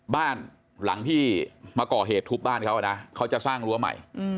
บ้านหลังที่มาก่อเหตุทุบบ้านเขานะเขาจะสร้างรั้วใหม่